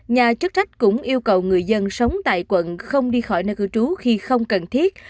nhà chức trách cũng yêu cầu người dân sống tại quận không đi khỏi nơi cư trú khi không cần thiết